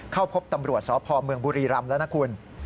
เข้าพบตำรวจสพเมืองบุรีรำแล้วนะคุณ